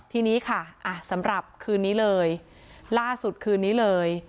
ทีนี้ค่ะสำหรับคืนนี้เลยล่าสุดคืนนี้เลย